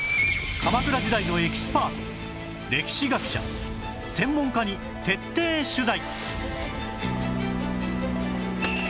鎌倉時代のエキスパート歴史学者専門家に徹底取材